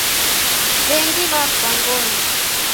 W'engi w'afwa ngolo.